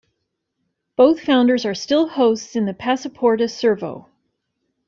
Both founders are still hosts in the Pasporta Servo.